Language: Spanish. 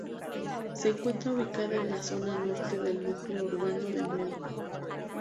Se encuentra ubicada en la zona norte del núcleo urbano de Muri.